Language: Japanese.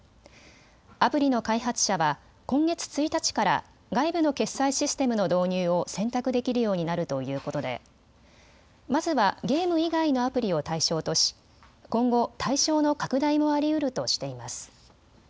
アプリの開発者は今月１日から外部の決済システムの導入を選択できるようになるということでまずはゲーム以外のアプリを対象とし今後、対象の拡大もありうるとしています。